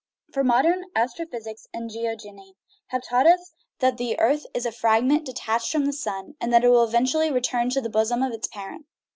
For modern astrophysics and geogeny have taught us that the earth is a fragment detached from the sun, and that it will eventually return to the bosom of its parent.